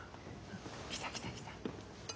来た来た来た。